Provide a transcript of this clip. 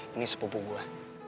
ini sepupu gue